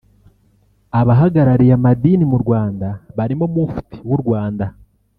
Abahagarariye amadini mu Rwanda barimo Mufti w’u Rwanda